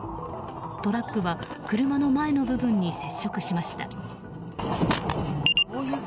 トラックは車の前の部分に接触しました。